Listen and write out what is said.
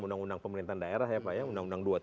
undang undang pemerintahan daerah ya pak ya undang undang